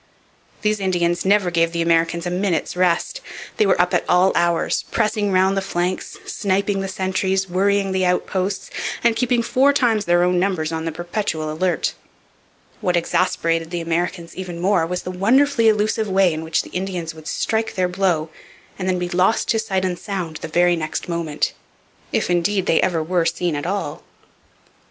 These Indians never gave the Americans a minute's rest. They were up at all hours, pressing round the flanks, sniping the sentries, worrying the outposts, and keeping four times their own numbers on the perpetual alert. What exasperated the Americans even more was the wonderfully elusive way in which the Indians would strike their blow and then be lost to sight and sound the very next moment, if, indeed, they ever were seen at all.